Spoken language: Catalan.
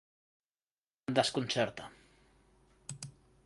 Em desconcerta.